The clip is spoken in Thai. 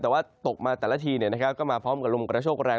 แต่ว่าตกมาแต่ละทีเนี่ยนะครับก็มาพร้อมกับลมกระโชคแรง